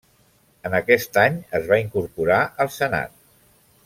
En aquest any es va incorporar al Senat.